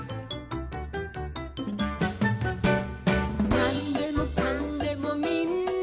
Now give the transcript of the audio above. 「なんでもかんでもみんな」